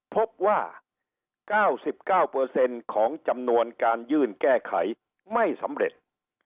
พบว่า๙๙ของจำนวนการยื่นแก้ไขไม่สำเร็จ